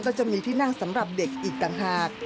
ก็จะมีที่นั่งสำหรับเด็กอีกต่างหาก